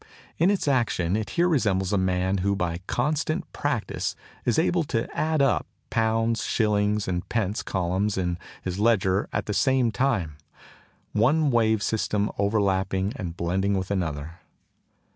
In its action it here resembles a man who by constant practice is able to add up the pounds, shillings, and pence columns in his ledger at the same time, one wave system overlapping and blending with another.